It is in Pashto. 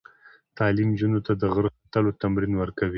تعلیم نجونو ته د غره ختلو تمرین ورکوي.